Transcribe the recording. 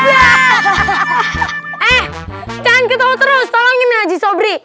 eh jangan ketawa terus tolong gini haji sobri